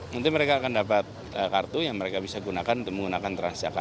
nanti mereka akan dapat kartu yang mereka bisa gunakan